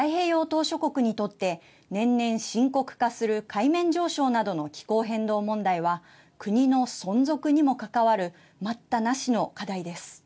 島しょ国にとって年々深刻化する海面上昇などの気候変動問題は国の存続にも関わる待ったなしの課題です。